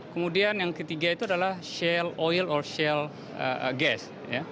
kemudian yang ketiga itu adalah shale oil of shale gas